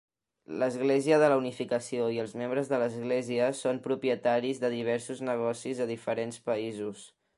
L'Església de la Unificació i els membres de l'església són propietaris de diversos negocis a diferents països.